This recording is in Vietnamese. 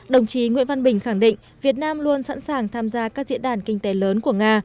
đồng chí nguyễn văn bình khẳng định việt nam luôn sẵn sàng tham gia các diễn đàn kinh tế lớn của nga